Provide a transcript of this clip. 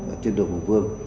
ở trên đường hồ quương